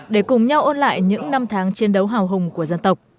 để cùng nhau ôn lại những năm tháng chiến đấu hào hùng của dân tộc